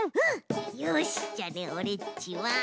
よしじゃあねオレっちはこのいろで。